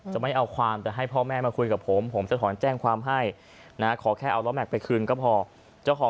จริงผมจะไม่เอาเรื่องเขา